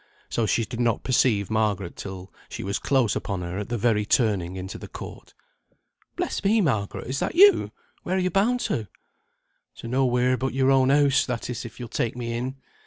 So she did not perceive Margaret till, she was close upon her at the very turning into the court. "Bless me, Margaret! is that you? Where are you bound to?" "To nowhere but your own house (that is, if you'll take me in).